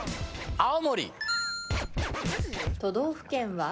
青森。